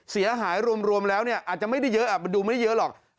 เสียหายรวมแล้วอาจจะไม่ได้เยอะมันดูไม่เยอะหรอก